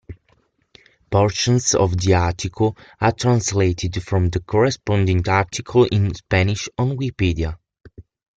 Portions of this article are translated from the corresponding article in Spanish on Wikipedia.